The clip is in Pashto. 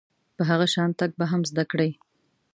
په هغه شان تګ به هم زده کړئ .